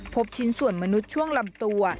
พบชิ้นส่วนมนุษย์ช่วงลำตัว